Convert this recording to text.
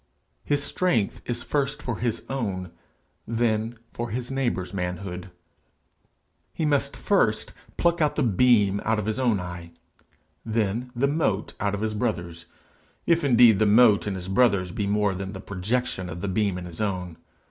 His strength is first for his own, then for his neighbour's manhood. He must first pluck out the beam out of his own eye, then the mote out of his brother's if indeed the mote in his brother's be more than the projection of the beam in his own.